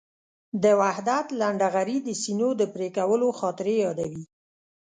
د وحدت لنډهغري د سینو د پرېکولو خاطرې یادوي.